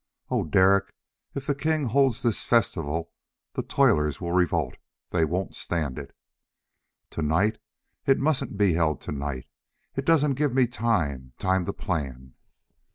Oh Derek, if the king holds this festival, the toilers will revolt. They won't stand it " "To night! It mustn't be held to night! It doesn't give me time, time to plan."